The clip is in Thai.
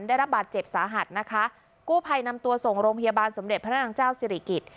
ได้รับบาดเจ็บสาหัสนะคะกู้ภัยนำตัวส่งโรงพยาบาลสมเด็จพระนางเจ้าสิริกิจ